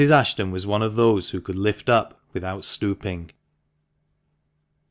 Ashton was one of those who could lift up without stooping.